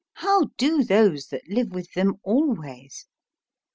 how do those that live with them always?